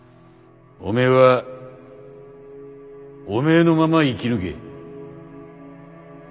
おめえはおめえのまま生き抜け。